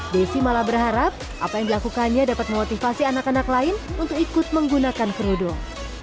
desi malah berharap apa yang dilakukannya dapat memotivasi anak anak lain untuk ikut menggunakan kerudung